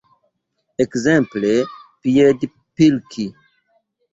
Ekzemple piedpilki.